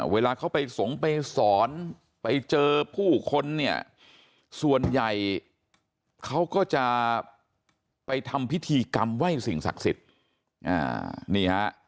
เวลาเขาไปสงไปสอนไปเจอผู้คนเนี่ยส่วนใหญ่เขาก็จะไปทำพิธีกรรมไหว้สิ่งศักดิ์สิทธิ์นี่ฮะ